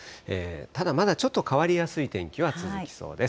ただ、まだ、ちょっと変わりやすい天気は続きそうです。